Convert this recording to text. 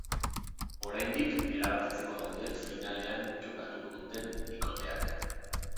Oraindik erabakitzeko daude finalean jokatuko duten bikoteak.